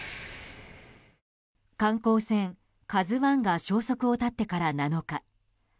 観光船「ＫＡＺＵ１」が消息を絶ってから７日。